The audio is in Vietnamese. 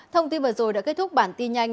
thông tin vừa rồi đã kết thúc bản tin nhanh